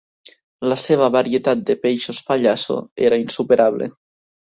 La seva varietat de peixos pallasso era insuperable.